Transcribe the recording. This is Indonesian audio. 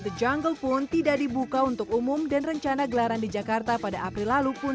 the jungle pun tidak dibuka untuk umum dan rencana gelaran di jakarta pada april lalu pun